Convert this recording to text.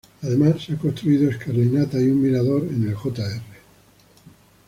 Además se ha construido escalinatas y un mirador en el Jr.